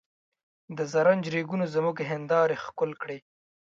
د زرنج ریګونو زموږ هندارې ښکل کړې.